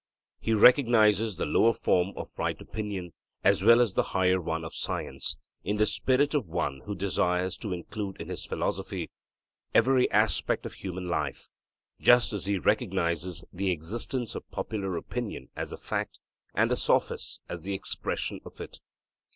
He recognizes the lower form of right opinion, as well as the higher one of science, in the spirit of one who desires to include in his philosophy every aspect of human life; just as he recognizes the existence of popular opinion as a fact, and the Sophists as the expression of it.